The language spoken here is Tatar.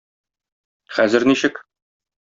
Хәзер ничек?